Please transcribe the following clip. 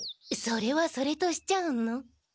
それはそれとしちゃうの？